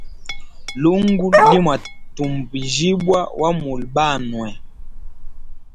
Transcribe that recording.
Lungu li mwatumbijibwa wa muli banwe.